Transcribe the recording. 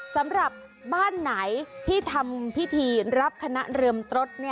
สำหรับบ้านไหนที่ทำพิธีรับคณะเรือมตรด